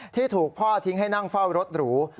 ที่ถูกพ่อทิ้งให้นั่งเฝ้ารถหรู